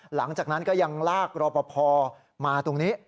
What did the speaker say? หลังจากนั้นก็ยังลากรอปภมาตรงนี้